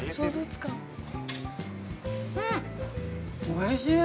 おいしい！